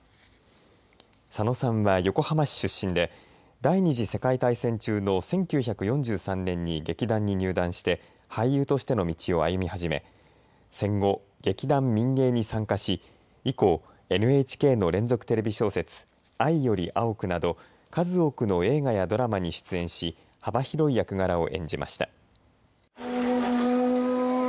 佐野さんは横浜市出身で第２次世界大戦中の１９４３年に劇団に入団して俳優としての道を歩み始め、戦後、劇団民藝に参加し、以降、ＮＨＫの連続テレビ小説、藍より青くなど数多くの映画やドラマに出演し幅広い役柄を演じました。